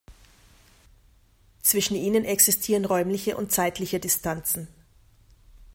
Zwischen ihnen existieren räumliche und zeitliche Distanzen.